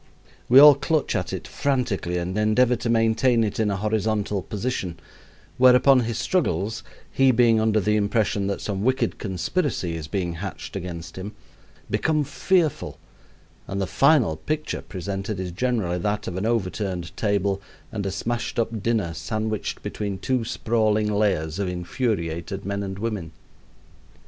We all clutch at it frantically and endeavor to maintain it in a horizontal position; whereupon his struggles, he being under the impression that some wicked conspiracy is being hatched against him, become fearful, and the final picture presented is generally that of an overturned table and a smashed up dinner sandwiched between two sprawling layers of infuriated men and women.